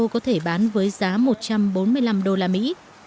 có thể bán với giá một trăm bốn mươi năm đô la mỹ